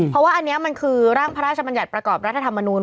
เพราะว่าอันนี้มันคือร่างพระราชบัญญัติประกอบรัฐธรรมนูล